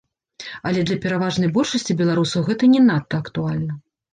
Але для пераважнай большасці беларусаў гэта не надта актуальна.